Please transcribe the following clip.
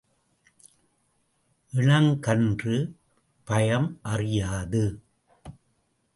இளங் கன்று பயம் அறியாது.